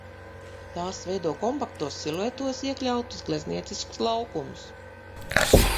Tās veido kompaktos siluetos iekļautus gleznieciskus laukumus.